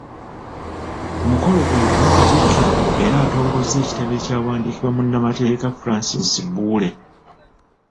Ku mukolo gwe gumu Katikkiro era atongozza ekitabo ekyawandiikibwa munnamateeka Francis Buwuule.